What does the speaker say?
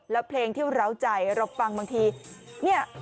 แล้วเพลงที่เราใจเราฟังบางทีเนี่ย